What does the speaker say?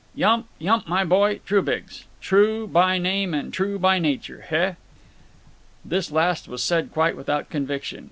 "Yump. Yump, my boy. Trubiggs. Tru by name and true by nature. Heh?" This last was said quite without conviction.